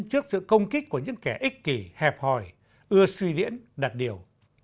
trước sự công kích của những kẻ ích kỷ hẹp hòi ưa suy diễn đặt điều